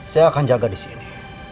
saya akan jaga di sini